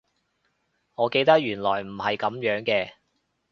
我記得原來唔係噉樣嘅